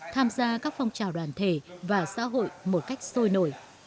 tham gia các phong trào đoàn thể và xã hội một cách sôi nổi